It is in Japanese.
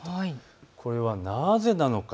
これはなぜなのか。